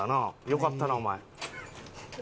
よかったなお前。